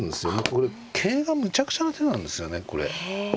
これ桂がむちゃくちゃな手なんですよねこれ。